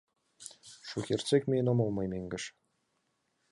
Шукертсек миен омыл мый мӧҥгыш